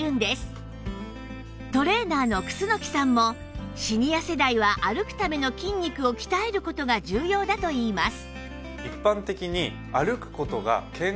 トレーナーの楠さんもシニア世代は歩くための筋肉を鍛える事が重要だと言います